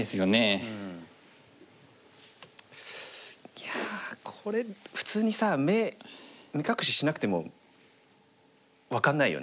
いやこれ普通にさ目隠ししなくても分かんないよね。